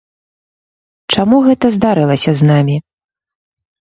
Чаму гэта здарылася з намі?